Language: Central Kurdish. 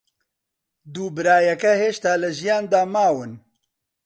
دوو برایەکە هێشتا لە ژیاندا ماون.